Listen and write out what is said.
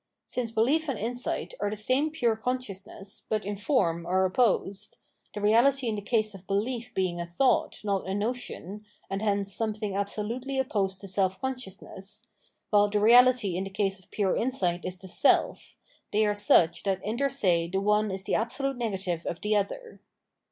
Since belief and insight are the same pure conscious ness, but in form are opposed, — the reahty in the case of belief being a thought, not a notion, and hence some thing absolutely opposed to self consciousness, while the reahty in the case of pure insight is the self — they are such that inter se the one is the absolute negative of the other.